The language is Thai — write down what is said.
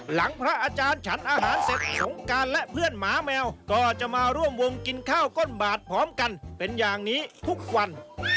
พระอาจารย์ฉันอาหารเสร็จสงการและเพื่อนหมาแมวก็จะมาร่วมวงกินข้าวก้นบาทพร้อมกันเป็นอย่างนี้ทุกวัน